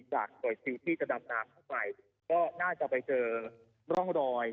หน่วยซิลที่จะดำน้ำเข้าไปก็น่าจะไปเจอร่องรอย